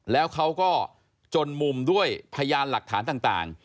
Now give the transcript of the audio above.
แล้วเขาก็จนมุมด้วยพยานหลักฐานต่าง